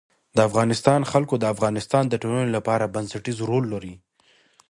د افغانستان جلکو د افغانستان د ټولنې لپاره بنسټيز رول لري.